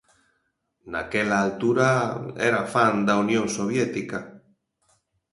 Naquela altura era fan da Unión Soviética.